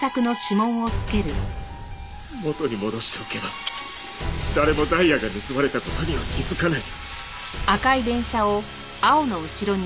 元に戻しておけば誰もダイヤが盗まれた事には気づかない。